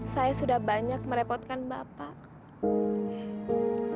saya sudah banyak merepotkan bapak